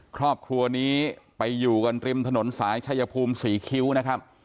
ครอบครัวนี้ไปอยู่กันริมถนนสายชายภูมิศรีคิ้วนะครับ